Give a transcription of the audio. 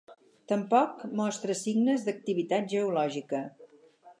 Tampoc mostra signes d'activitat geològica.